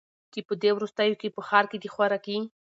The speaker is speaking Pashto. چي په دې وروستیو کي په ښار کي د خوراکي